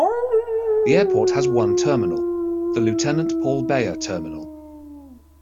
The airport has one terminal, the Lieutenant Paul Baer Terminal.